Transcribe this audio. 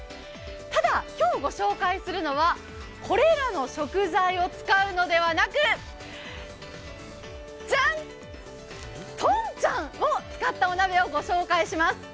ただ、今日ご紹介するのはこれらの食材を使うのではなく、じゃん、とんちゃんを使ったお鍋をご紹介します。